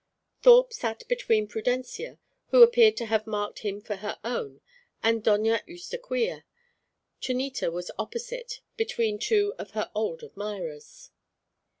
Thorpe sat between Prudencia (who appeared to have marked him for her own) and Doña Eustaquia. Chonita was opposite, between two of her old admirers.